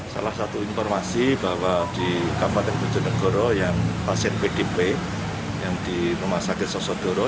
salah satu informasi bahwa di kabupaten bojonegoro yang pasien pdp yang di rumah sakit sosodoro